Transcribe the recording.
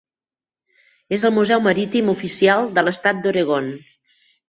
És el Museu Marítim oficial de l'estat d'Oregon.